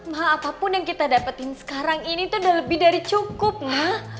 mah apapun yang kita dapetin sekarang ini tuh udah lebih dari cukup mah